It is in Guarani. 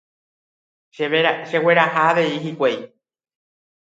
Chegueraha avei hikuái